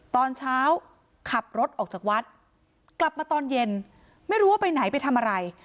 ตอนเช้าขับรถออกจากวัดกลับมาตอนเย็นไม่รู้ว่าไปไหนไปทำอะไร